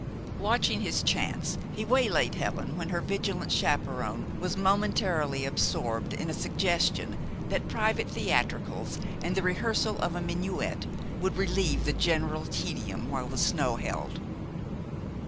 Watching his chance, he waylaid Helen when her vigilant chaperon was momentarily absorbed in a suggestion that private theatricals and the rehearsal of a minuet would relieve the general tedium while the snow held.